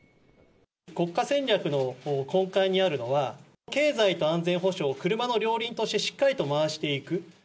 国家戦略の根幹にあるのは、経済と安全保障を車の両輪としてしっかりと回していく。